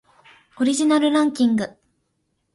オリジナルランキング